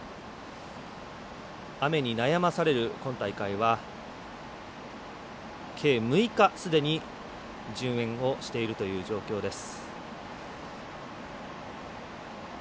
雨に悩まされる今大会は計６日すでに、順延をしているという状況です。